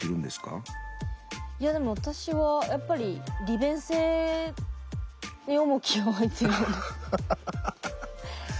いやでも私はやっぱり利便性に重きを置いてるよね。